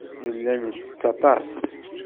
Nella nettett aṭas.